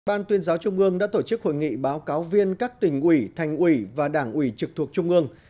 ban tuyên giáo trung ương đã tổ chức hội nghị báo cáo viên các tỉnh ủy thành ủy và đảng ủy trực thuộc trung ương